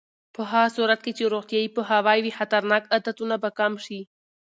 په هغه صورت کې چې روغتیایي پوهاوی وي، خطرناک عادتونه به کم شي.